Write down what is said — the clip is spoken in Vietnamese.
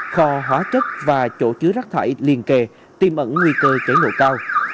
kho hóa chất và chỗ chứa rắc thải liên kề tìm ẩn nguy cơ cháy nổ cao